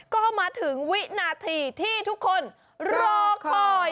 ก็มาถึงวินาทีที่ทุกคนรอคอย